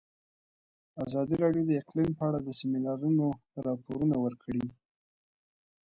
ازادي راډیو د اقلیم په اړه د سیمینارونو راپورونه ورکړي.